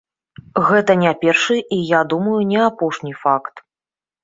Гэта не першы і, я думаю, не апошні факт.